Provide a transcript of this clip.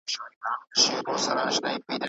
ددې خاوري هزاره ترکمن زما دی